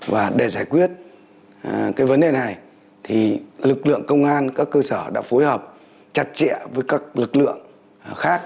và để giải quyết cái vấn đề này thì lực lượng công an các cơ sở đã phối hợp chặt chẽ với các lực lượng khác